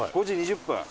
５時２０分。